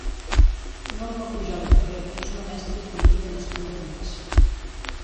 Norma Pujol i Farré és una mestra i política nascuda a Flix.